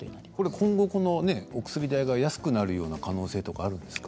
今後、お薬代が安くなる可能性はあるんですか。